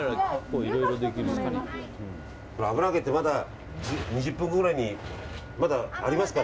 油揚げって２０分後くらいにまだありますか。